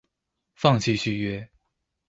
放棄續約